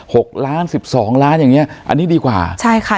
หกล้านสิบสองล้านอย่างเงี้อันนี้ดีกว่าใช่ค่ะ